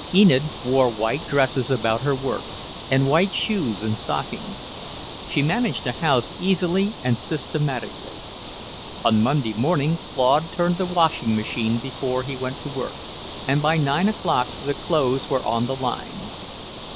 Enid wore white dresses about her work, and white shoes and stockings. She managed a house easily and systematically. On Monday morning Claude turned the washing machine before he went to work, and by nine o'clock the clothes were on the line.